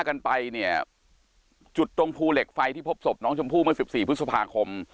กันไปเนี่ยจุดตรงภูเหล็กไฟที่พบศพน้องชมพู่เมื่อสิบสี่พฤษภาคม